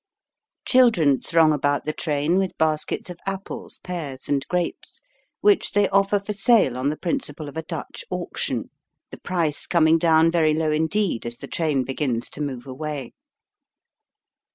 Chil dren throng about the train with baskets of apples, pears, and grapes, which they offer for sale on the principle of a Dutch auction, the price coming down very low indeed as the train begins to move away.